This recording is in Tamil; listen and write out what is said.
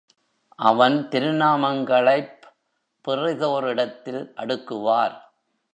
அவன் திருநாமங்களைப் பிறிதோரிடத்தில் அடுக்குவார்.